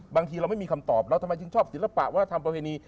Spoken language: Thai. บางทีเราไม่มีคำตอบเราทำไมจึงชอบศิลปะวัฒนธรรมประเพณี